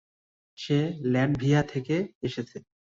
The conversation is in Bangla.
সে ল্যাটভিয়া থেকে এসেছে।